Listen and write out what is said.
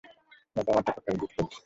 নয়তো আমার টাকা ফেরত দিতে বলেছি।